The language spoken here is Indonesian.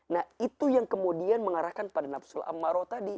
nah itu yang kemudian mengarahkan pada nafsul amaro tadi